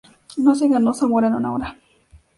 No se ganó Zamora en una hora